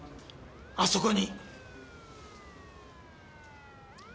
あそこに！